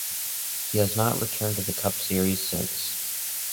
He has not returned to the Cup Series since.